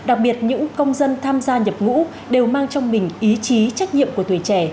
đặc biệt những công dân tham gia nhập ngũ đều mang trong mình ý chí trách nhiệm của tuổi trẻ